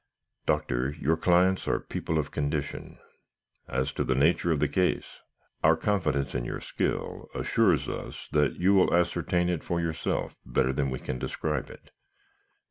'Doctor, your clients are people of condition. As to the nature of the case, our confidence in your skill assures us that you will ascertain it for yourself better than we can describe it.